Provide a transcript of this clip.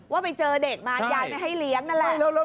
ว่าไปเจอเด็กมายายไม่ให้เลี้ยงนั่นแหละ